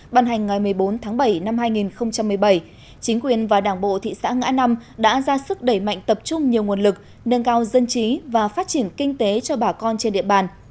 bàn hành ngày một mươi bốn tháng bảy năm hai nghìn một mươi bảy chính quyền và đảng bộ thị xã ngã năm đã ra sức đẩy mạnh tập trung nhiều nguồn lực nâng cao dân trí và phát triển kinh tế cho bà con trên địa bàn